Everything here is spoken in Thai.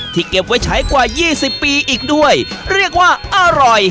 เก็บไว้ใช้กว่ายี่สิบปีอีกด้วยเรียกว่าอร่อย